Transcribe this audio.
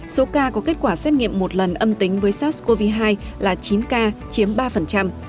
số ca có kết quả xét nghiệm một lần âm tính với sars cov hai là chín ca chiếm ba